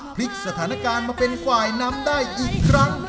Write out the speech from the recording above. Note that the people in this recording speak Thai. พลิกสถานการณ์มาเป็นฝ่ายนำได้อีกครั้ง